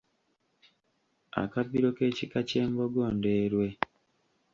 Akabbiro k’ekika ky’Embogo Ndeerwe.